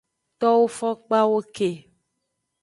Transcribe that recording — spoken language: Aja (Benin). Towo fokpawo ke.